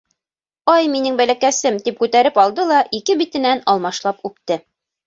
— Ай, минең бәләкәсем! — тип күтәреп алды ла ике битенән алмашлап үпте.